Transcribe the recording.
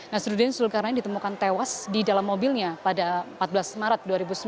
nasruddin sulkarnain ditemukan tewas di dalam mobilnya pada empat belas semaret dua ribu sembilan